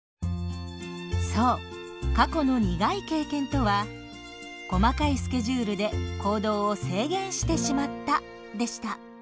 そう過去の苦い経験とは「細かいスケジュールで行動を制限してしまった」でした。